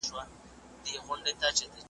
ځان یې هسي اخته کړی په زحمت وي .